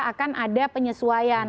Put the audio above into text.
akan ada penyesuaian